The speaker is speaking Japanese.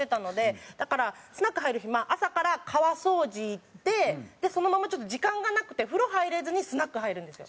だからスナック入る日朝から川掃除行ってそのままちょっと時間がなくて風呂入れずにスナック入るんですよ。